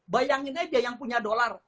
bayangin aja yang punya dolar